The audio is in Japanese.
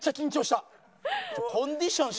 コンディション